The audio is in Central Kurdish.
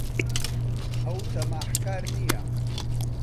ئەو تەماحکار نییە.